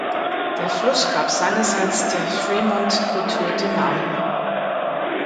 Der Fluss gab seinerseits der Fremont-Kultur den Namen.